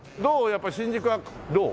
やっぱり新宿はどう？